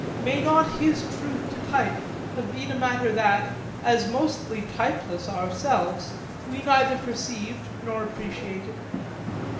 May not his truth to type have been a matter that, as mostly typeless ourselves, we neither perceived nor appreciated?